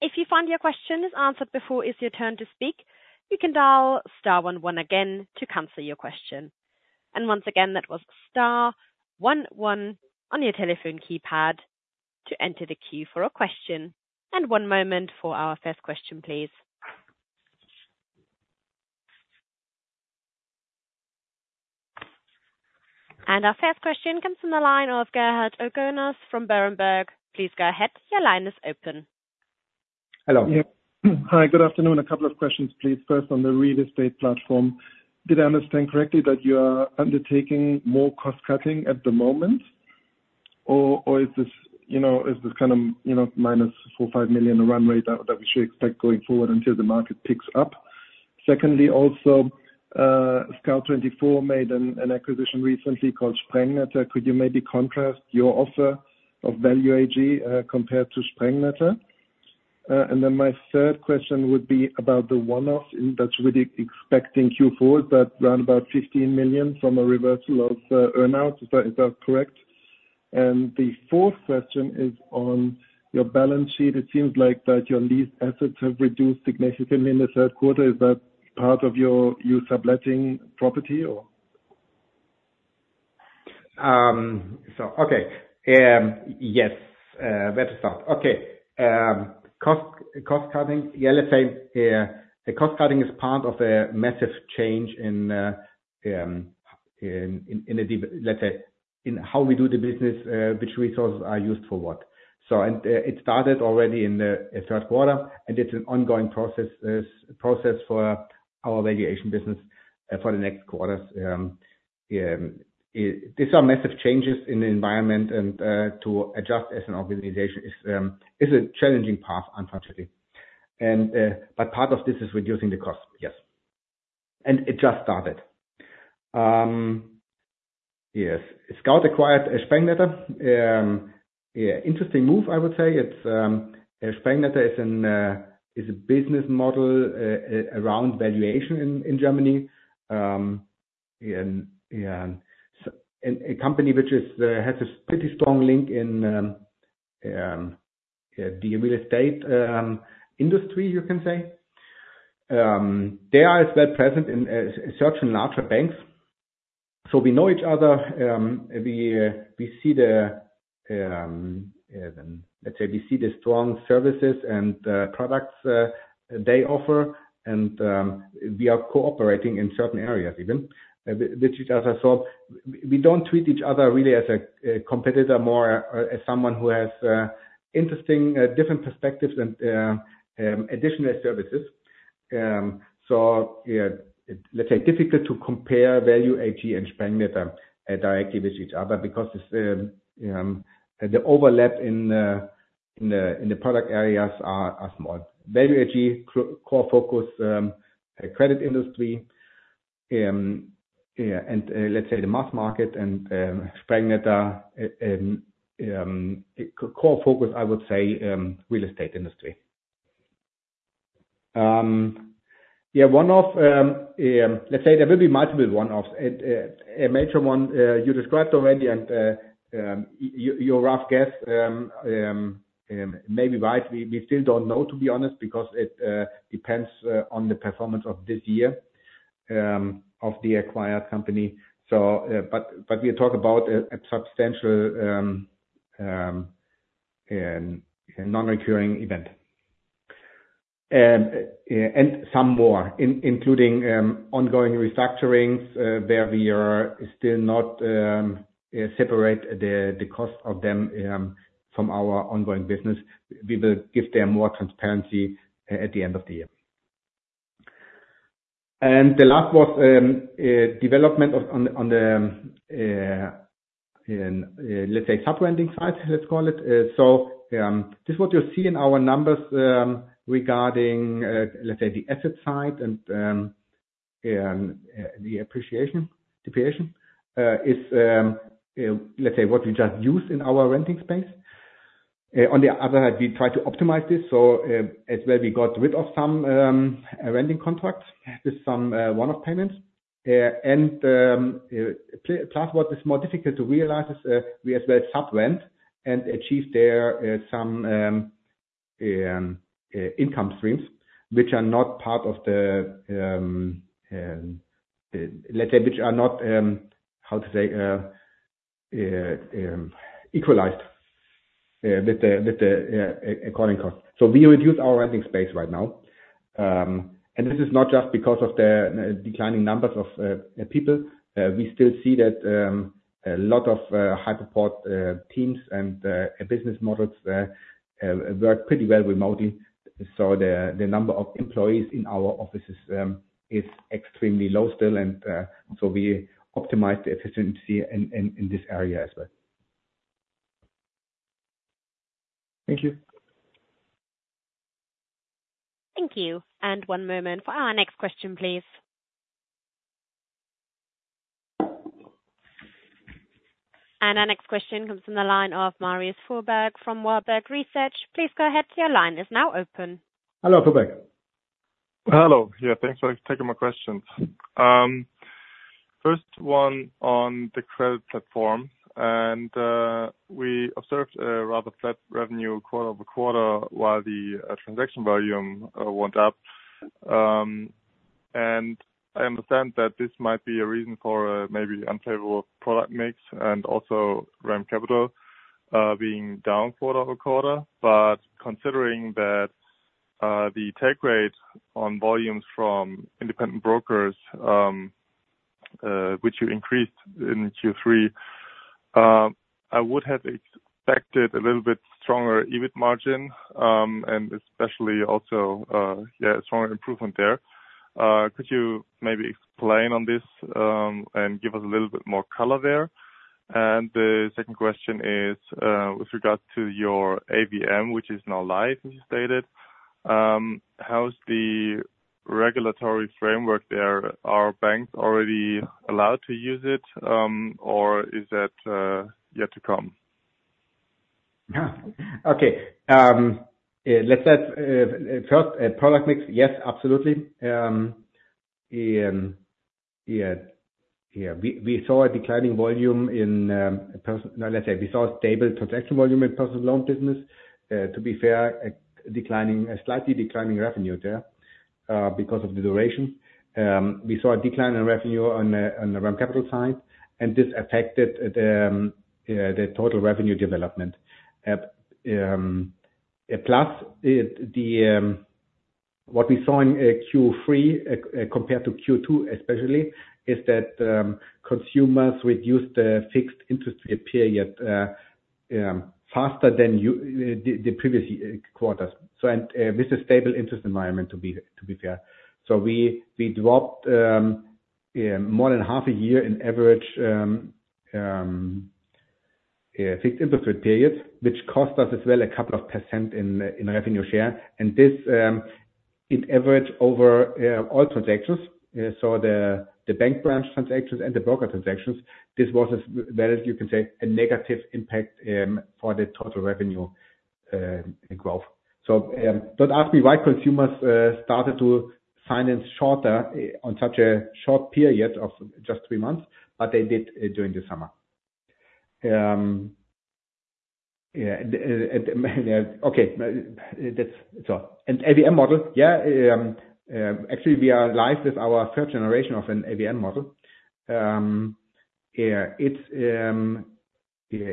If you find your question is answered before it's your turn to speak, you can dial star one one again to cancel your question. Once again, that was star one one on your telephone keypad to enter the queue for a question. One moment for our first question, please. Our first question comes from the line of Gerhard Orgonas from Berenberg. Please go ahead. Your line is open. Hello. Hi, good afternoon. A couple of questions, please. First, on the real estate platform, did I understand correctly that you are undertaking more cost cutting at the moment? Or is this, you know, is this kind of, you know, minus 4 million-5 million run rate that we should expect going forward until the market picks up? Secondly, also, Scout24 made an acquisition recently called Sprengnetter. Could you maybe contrast your offer of Value AG, compared to Sprengnetter? And then my third question would be about the one-offs in that's really expecting Q4, is that around about 15 million from a reversal of, earn out? Is that correct? And the fourth question is on your balance sheet. It seems like that your lease assets have reduced significantly in the third quarter. Is that part of your used subletting property, or? So okay, yes, where to start? Okay, cost, cost cutting. Yeah, let's say, the cost cutting is part of a massive change in, let's say, in how we do the business, which resources are used for what. So, and, it started already in the third quarter, and it's an ongoing process for our valuation business, for the next quarters. These are massive changes in the environment and, to adjust as an organization is a challenging path, unfortunately. And, but part of this is reducing the cost. Yes. And it just started. Yes, Scout24 acquired Sprengnetter. Yeah, interesting move I would say. It's, Sprengnetter is an, is a business model, around valuation in, in Germany. And a company which has a pretty strong link in the real estate industry, you can say. They are as well present in certain larger banks. So we know each other. We see the, let's say, strong services and products they offer, and we are cooperating in certain areas even with each other. So we don't treat each other really as a competitor, more as someone who has interesting different perspectives and additional services. So yeah, let's say difficult to compare Value AG and Sprengnetter directly with each other because the overlap in the product areas are small. Value AG core focus, credit industry, yeah, and let's say the mass market and, Sprengnetter, core focus, I would say, real estate industry. Yeah, one-off, let's say there will be multiple one-offs. A major one, you described already, and, your rough guess may be right. We still don't know to be honest, because it depends on the performance of this year of the acquired company. So, but we talk about a substantial a non-recurring event. And some more, including ongoing restructurings, where we are still not separate the cost of them from our ongoing business. We will give them more transparency at the end of the year. And the last was development on the, let's say, sub-renting side, let's call it. So, this is what you see in our numbers, regarding, let's say, the asset side and, the appreciation, depreciation, is, let's say what we just used in our renting space. On the other hand, we try to optimize this, so, as well, we got rid of some, renting contracts with some, one-off payments. And, plus what is more difficult to realize is, we as well sub-rent and achieve there, some, income streams, which are not part of the, let's say, which are not, how to say, equalized, with the, according cost. So we reduce our renting space right now. This is not just because of the declining numbers of people. We still see that a lot of Hypoport teams and business models work pretty well remotely. So the number of employees in our offices is extremely low still. And so we optimize the efficiency in this area as well. Thank you. Thank you. And one moment for our next question, please. And our next question comes from the line of Marius Fuhrberg from Warburg Research. Please go ahead. Your line is now open. Hello, Fulberg. Hello. Yeah, thanks for taking my question. First one on the Credit Platform, and we observed a rather flat revenue quarter-over-quarter, while the transaction volume went up. And I understand that this might be a reason for maybe unfavorable product mix and also REM Capital being down quarter-over-quarter. But considering that, the take rate on volumes from independent brokers, which you increased in Q3, I would have expected a little bit stronger EBIT margin, and especially also, yeah, a stronger improvement there. Could you maybe explain on this, and give us a little bit more color there? And the second question is, with regards to your AVM, which is now live, as you stated. How's the regulatory framework there? Are banks already allowed to use it, or is that yet to come? Yeah. Okay. Let's start first, product mix. Yes, absolutely. Yeah. Yeah, we saw a declining volume in person- now, let's say we saw a stable transaction volume in personal loan business. To be fair, a declining, a slightly declining revenue there, because of the duration. We saw a decline in revenue on the REM Capital side, and this affected the total revenue development. A plus, what we saw in Q3 compared to Q2 especially, is that consumers reduced the fixed interest period faster than the previous quarters. So, and this is stable interest environment, to be fair. So we dropped more than half a year in average fixed interest periods, which cost us as well a couple of % in revenue share. And this it average over all transactions. So the bank branch transactions and the broker transactions, this was as well as you can say a negative impact for the total revenue growth. So don't ask me why consumers started to finance shorter on such a short period of just three months, but they did during the summer. Yeah, okay. That's so— And AVM model. Yeah. Actually, we are live with our third generation of an AVM model. It's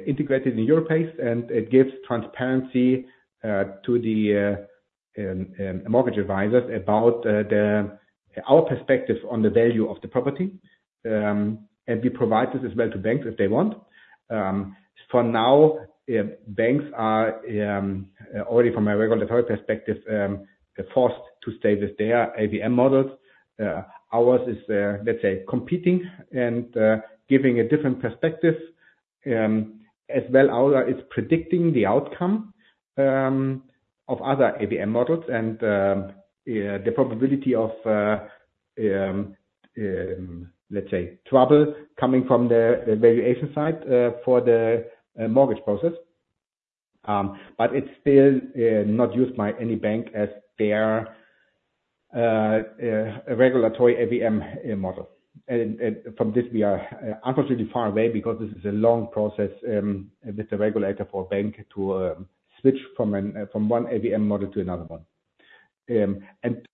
integrated in Europace, and it gives transparency to the mortgage advisors about our perspective on the value of the property. And we provide this as well to banks if they want. For now, banks are already from a regulatory perspective forced to stay with their AVM models. Ours is, let's say, competing and giving a different perspective as well. Ours is predicting the outcome of other AVM models and the probability of, let's say, trouble coming from the valuation side for the mortgage process. But it's still not used by any bank as their regulatory AVM model. And from this, we are unfortunately far away, because this is a long process with the regulator for bank to switch from one AVM model to another one. And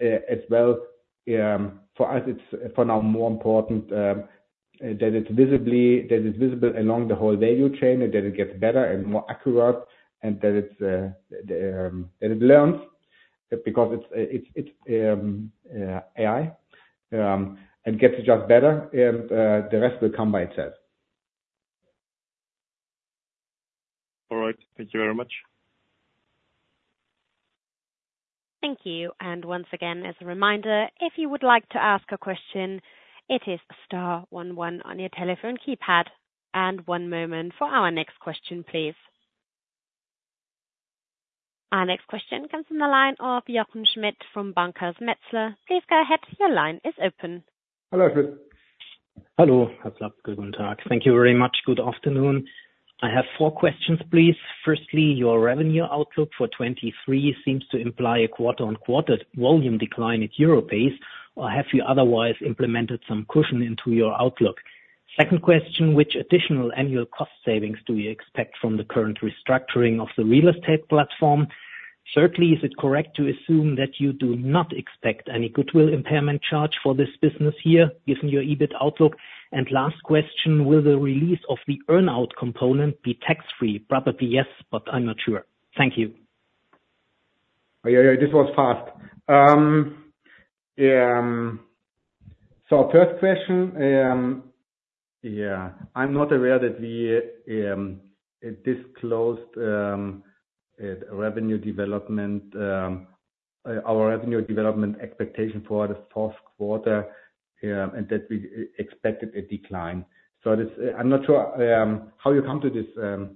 as well, for us, it's for now more important that it's visible along the whole value chain, and that it gets better and more accurate, and that it learns because it's AI and gets just better, and the rest will come by itself. All right. Thank you very much. Thank you. And once again, as a reminder, if you would like to ask a question, it is star one one on your telephone keypad. And one moment for our next question, please. Our next question comes from the line of Jochen Schmitt from Bankhaus Metzler. Please go ahead. Your line is open. Hello. Hello. What's up? Guten Tag. Thank you very much. Good afternoon. I have four questions, please. Firstly, your revenue outlook for 2023 seems to imply a quarter-on-quarter volume decline at Europace, or have you otherwise implemented some cushion into your outlook? Second question: Which additional annual cost savings do we expect from the current restructuring of the real estate platform? Thirdly, is it correct to assume that you do not expect any goodwill impairment charge for this business year, given your EBIT outlook? And last question, will the release of the earn-out component be tax-free? Probably, yes, but I'm not sure. Thank you. Yeah, yeah, this was fast. So first question, yeah, I'm not aware that we disclosed our revenue development expectation for the fourth quarter, and that we expected a decline. So this—I'm not sure how you come to this, so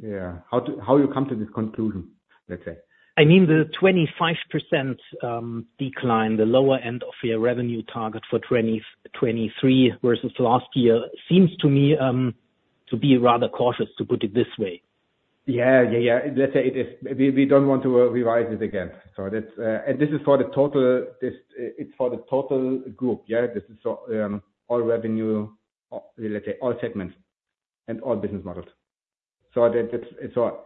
yeah, how you come to this conclusion, let's say. I mean, the 25% decline, the lower end of your revenue target for 2023 versus last year, seems to me to be rather cautious, to put it this way. Yeah. Yeah, yeah. Let's say it is. We don't want to revise it again. So that's, and this is for the total. It's for the total group. Yeah, this is so all revenue, let's say, all segments and all business models. So that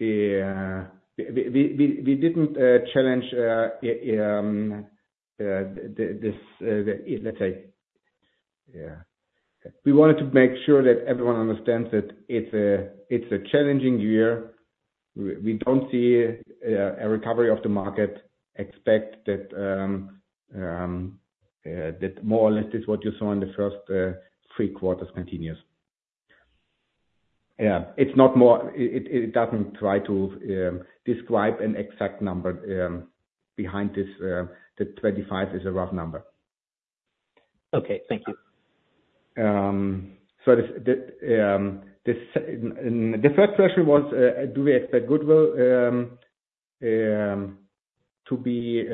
it's. We didn't challenge this, let's say, yeah. We wanted to make sure that everyone understands that it's a challenging year. We don't see a recovery of the market. Expect that more or less is what you saw in the first three quarters continues. Yeah, it's not more. It doesn't try to describe an exact number behind this. The 25 is a rough number. Okay, thank you. So the first question was, do we expect goodwill to be,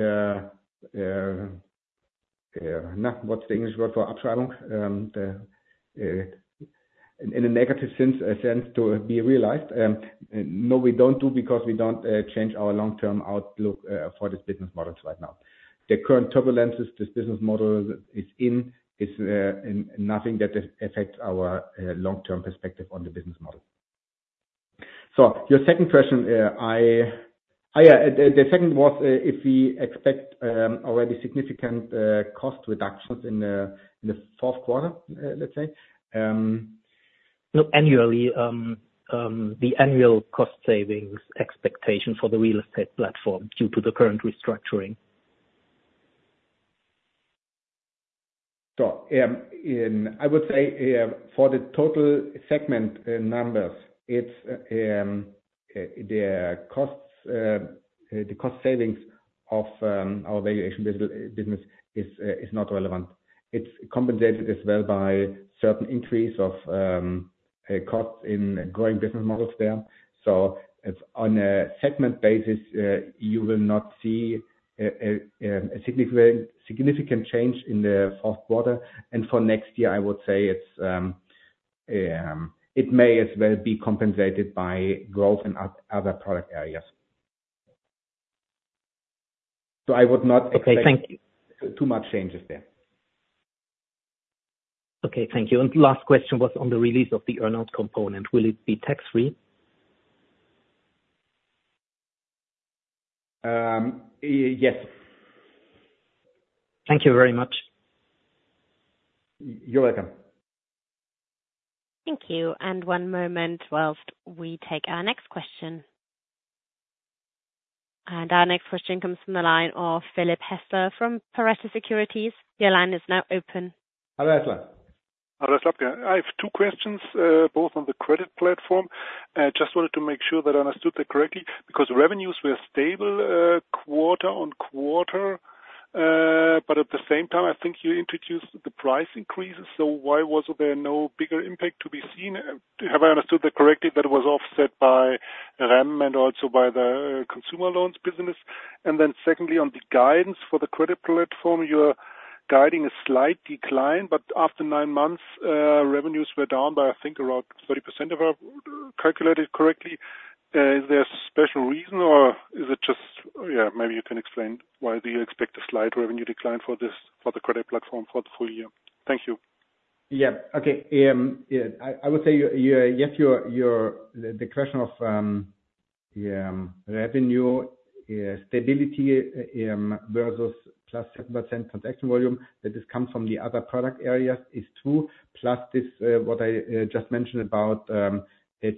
not what's the English word for inaudible? In a negative sense to be realized? No, we don't do because we don't change our long-term outlook for this business models right now. The current turbulences this business model is in is nothing that affect our long-term perspective on the business model. So your second question, the second was, if we expect already significant cost reductions in the fourth quarter, let's say. No, annually, the annual cost savings expectation for the real estate platform due to the current restructuring. So, I would say, for the total segment numbers, it's the cost savings of our valuation business is not relevant. It's compensated as well by certain increase of costs in growing business models there. So it's on a segment basis, you will not see a significant change in the fourth quarter. And for next year, I would say it may as well be compensated by growth in other product areas. So I would not expect- Okay, thank you. Too much changes there. Okay, thank you. Last question was on the release of the earn-out component. Will it be tax-free? Um, yes. Thank you very much. You're welcome. Thank you, and one moment while we take our next question. Our next question comes from the line of Philipp Häßler from Pareto Securities. Your line is now open. Hi, Häßler. Hi, Slabke. I have two questions, both on the Credit Platform. I just wanted to make sure that I understood that correctly, because revenues were stable quarter-on-quarter. But at the same time, I think you introduced the price increases, so why was there no bigger impact to be seen? Have I understood that correctly, that it was offset by REM and also by the consumer loans business? And then secondly, on the guidance for the Credit Platform, you are guiding a slight decline, but after nine months, revenues were down by, I think, about 30%, if I calculated correctly. Is there a special reason, or is it just... Yeah, maybe you can explain why do you expect a slight revenue decline for this, for the Credit Platform for the full year? Thank you. Yeah. Okay. Yeah, I would say you raise the question of revenue stability versus +7% transaction volume that just comes from the other product areas is true. Plus this, what I just mentioned about a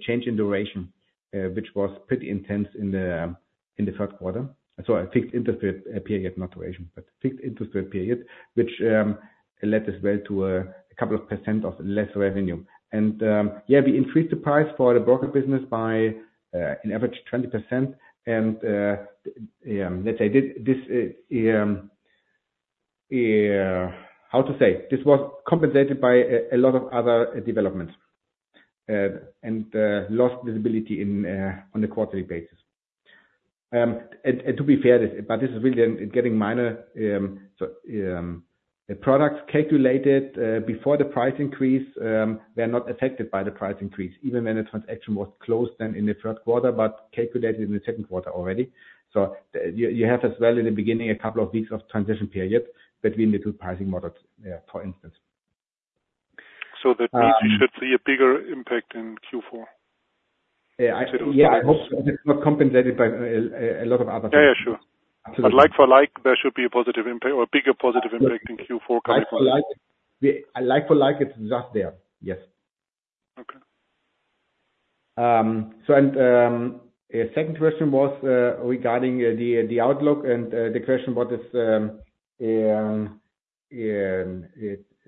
change in duration, which was pretty intense in the first quarter. So a fixed interest rate period, not duration, but fixed interest rate period, which led as well to a couple of percent of less revenue. And yeah, we increased the price for the broker business by an average 20%. And let's say this, this, how to say? This was compensated by a lot of other developments and lower visibility on a quarterly basis. To be fair, but this is really getting minor. So, the products calculated before the price increase, they're not affected by the price increase, even when the transaction was closed then in the first quarter, but calculated in the second quarter already. So you have as well, in the beginning, a couple of weeks of transition period between the two pricing models, for instance.... So that we should see a bigger impact in Q4? Yeah, I hope it's not compensated by a lot of other things. Yeah, yeah, sure. But like for like, there should be a positive impact or a bigger positive impact in Q4 compared to last- Like for like, it's just there. Yes. Okay. So and second question was regarding the outlook and the question about this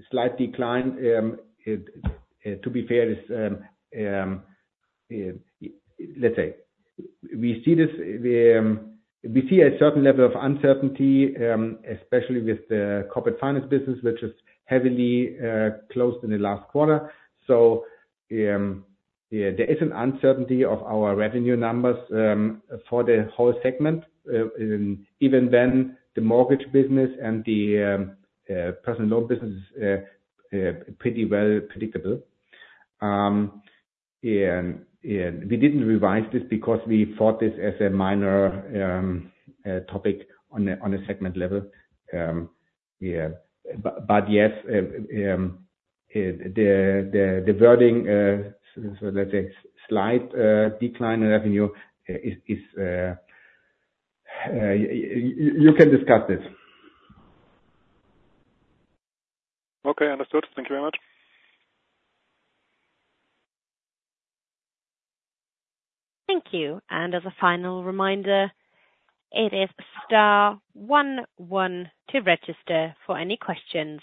slight decline. To be fair, it is, let's say, we see this, we see a certain level of uncertainty, especially with the Corporate Finance business, which is heavily closed in the last quarter. So, there is an uncertainty of our revenue numbers for the whole segment. Even then, the mortgage business and the personal loan business is pretty well predictable. And we didn't revise this because we thought this as a minor topic on a segment level. Yeah. But yes, the wording, so let's say, slight decline in revenue, is you can discuss this. Okay, understood. Thank you very much. Thank you. As a final reminder, it is star one one to register for any questions.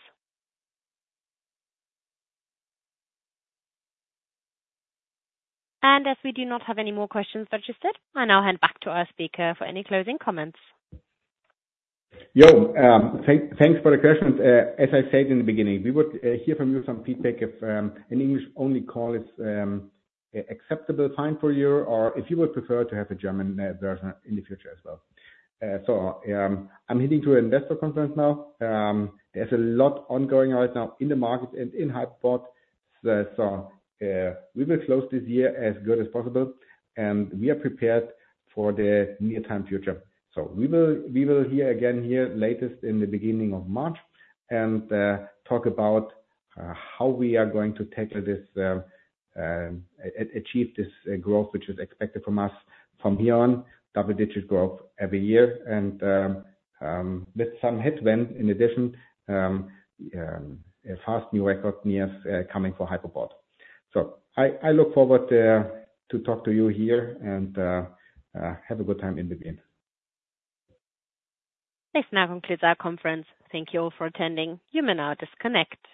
As we do not have any more questions registered, I now hand back to our speaker for any closing comments. Yeah. Thanks for the questions. As I said in the beginning, we would hear from you some feedback if an English-only call is acceptable time for you, or if you would prefer to have a German version in the future as well. So, I'm heading to investor conference now. There's a lot ongoing right now in the market and in Hypoport. So, we will close this year as good as possible, and we are prepared for the near-term future. So we will, we will hear again here latest in the beginning of March, and talk about how we are going to tackle this achieve this growth, which is expected from us from beyond double-digit growth every year. And, with some headwind in addition, a fast new record news coming for Hypoport. I look forward to talk to you here and have a good time in the beginning. This now concludes our conference. Thank you all for attending. You may now disconnect.